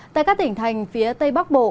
tại các tỉnh thành phía tây bắc bộ